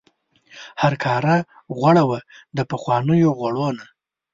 هرکاره غوړه وه د پخوانیو غوړو نه.